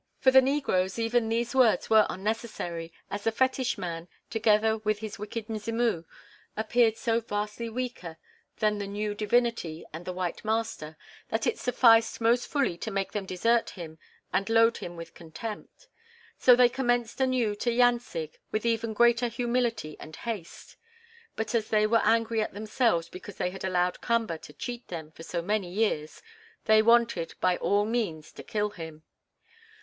For the negroes even these words were unnecessary as the fetish man, together with his wicked Mzimu, appeared so vastly weaker than the new divinity and the white master, that it sufficed most fully to make them desert him and load him with contempt. So they commenced anew to "yancig" with even greater humility and haste. But as they were angry at themselves because they had allowed Kamba to cheat them for so many years, they wanted, by all means, to kill him.